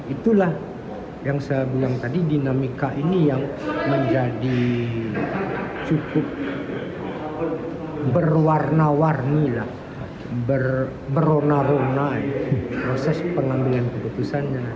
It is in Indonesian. itulah yang saya bilang tadi dinamika ini yang menjadi cukup berwarna warni lah berona rona proses pengambilan keputusannya